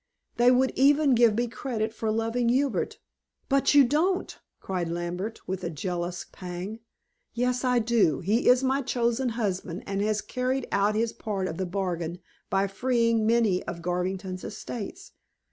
They would even give me credit for loving Hubert " "But you don't?" cried Lambert with a jealous pang. "Yes, I do. He is my chosen husband, and has carried out his part of the bargain by freeing many of Garvington's estates.